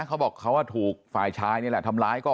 เขาบอกเขาถูกฝ่ายชายนี่แหละทำร้ายก็